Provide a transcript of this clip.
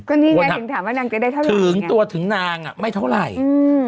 ก็นี่ไงถึงถามว่านางจะได้เท่าไหร่ถึงตัวถึงนางอ่ะไม่เท่าไหร่อืม